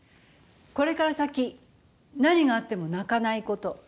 これから先何があっても泣かないこと。